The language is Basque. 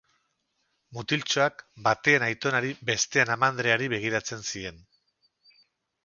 Mutiltxoak batean aitonari, bestean amandreari begiratzen zien.